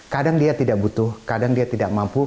kadang dia tidak butuh kadang dia tidak mampu